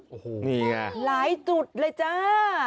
โอ้โหนี่ไงหลายจุดเลยจ้า